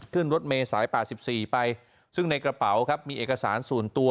ขึ้นรถเมย์สาย๘๔ไปซึ่งในกระเป๋าครับมีเอกสารส่วนตัว